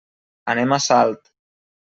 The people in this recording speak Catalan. Anem a Salt.